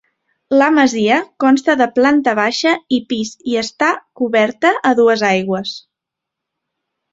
La masia consta de planta baixa i pis i està coberta a dues aigües.